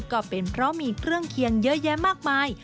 ก็เป็นเพราะมีเครื่องเคียงเยอะแยะมากมาย